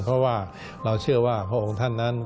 เพราะว่าเราเชื่อว่าพระองค์ท่านนั้น